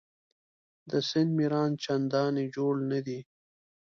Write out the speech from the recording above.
د سیند میران چنداني جوړ نه دي.